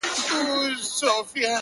بختور وي چي یې زه غیږي ته ورسم!